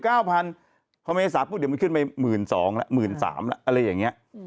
เขาไม่ให้สาธารณ์พูดเดี๋ยวมันขึ้นไป๑๒๐๐๐แล้ว๑๓๐๐๐แล้วอะไรอย่างนี้